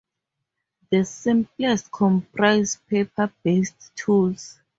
The simplest comprise paper-based tools.